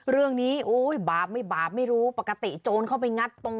เรื่องนี้โอ้ยบาปไม่บาปไม่รู้ปกติโจรเข้าไปงัดตรง